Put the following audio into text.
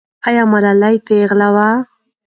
آیا ملالۍ پېغله وه؟